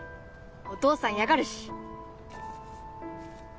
お父さん嫌がるし